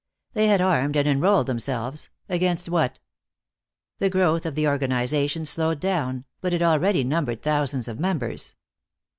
They had armed and enrolled themselves against what? The growth of the organization slowed down, but it already numbered thousands of members.